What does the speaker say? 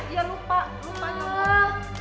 ya lupa lupa nyomud